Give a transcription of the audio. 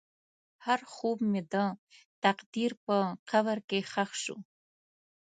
هر خوب مې د تقدیر په قبر کې ښخ شو.